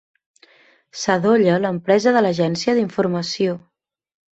Sadolla l'empresa de l'agència d'informació.